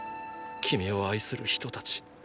君を愛する人たち。